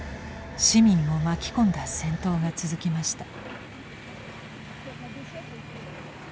市民を巻き込んだ戦闘が続きました。